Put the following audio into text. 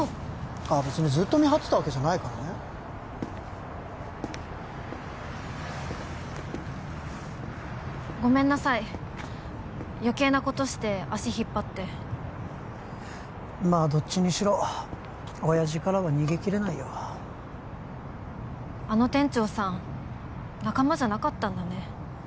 ああ別にずっと見張ってたわけじゃないからねごめんなさいよけいなことして足引っ張ってまあどっちにしろ親爺からは逃げきれないよあの店長さん仲間じゃなかったんだね